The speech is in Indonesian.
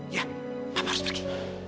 ya papa harus pergi